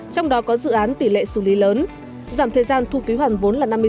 trong đó có dự án tỷ lệ xử lý lớn giảm thời gian thu phí hoàn vốn là năm mươi sáu